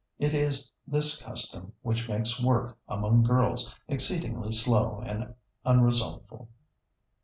It is this custom which makes work among girls exceedingly slow and unresultful.